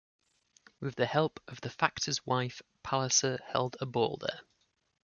With the help of the factor's wife, Palliser held a ball there.